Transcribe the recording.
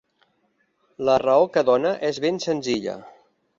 La raó que dóna és ben senzilla.